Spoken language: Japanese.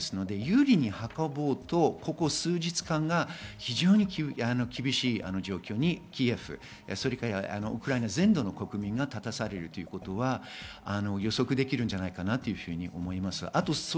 有利に運ぼうとここ数日間が非常に厳しい状況にキエフ、それからウクライナ全土の国民が立たされるということは予測できるんじゃないかと思います。